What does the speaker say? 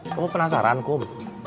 kamu penasaran kum